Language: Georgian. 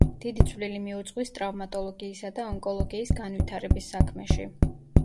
დიდი წვლილი მიუძღვის ტრავმატოლოგიისა და ონკოლოგიის განვითარების საქმეში.